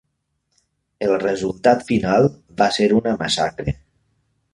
El resultat final va ser una massacre.